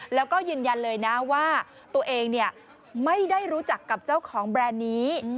แล้วก็ยืนยันเลยนะว่าตัวเองไม่ได้รู้จักกับเจ้าของแบรนด์นี้